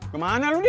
kemana lu di